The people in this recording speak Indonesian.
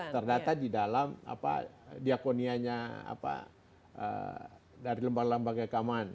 terdata di dalam diakonianya dari lembaga lembaga keamanan